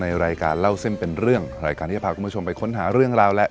ในรายการเล่าเส้นเป็นเรื่องรายการที่จะพาคุณผู้ชมไปค้นหาเรื่องราวและ